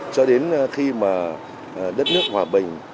cho đến khi mà đất nước hòa bình